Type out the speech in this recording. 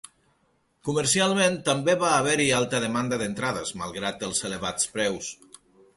Comercialment també va haver-hi alta demanda d'entrades, malgrat els elevats preus.